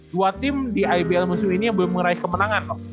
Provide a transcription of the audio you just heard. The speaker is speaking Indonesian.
dua tim di ibl musim ini yang belum meraih kemenangan